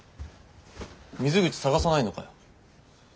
水口捜さないのかよ。